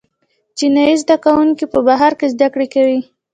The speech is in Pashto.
چینايي زده کوونکي په بهر کې زده کړې کوي.